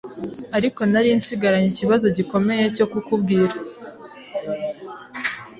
ariko nari nsigaranye ikibazo gikomeye cyo kubwira